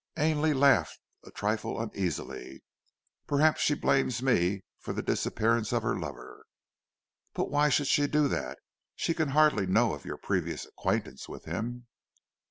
Ainley laughed a trifle uneasily. "Possibly she blames me for the disappearance of her lover!" "But why should she do that? She can hardly know of your previous acquaintance with him."